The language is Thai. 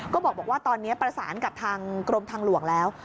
ก็บอกว่าตอนนี้ประสานกับทางกรมทางหลวงแล้ว